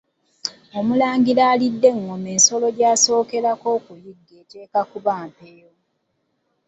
Omulangira alidde engoma ensolo gy’asookerako okuyigga eteekwa kuba mpeewo.